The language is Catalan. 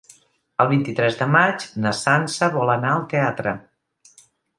El vint-i-tres de maig na Sança vol anar al teatre.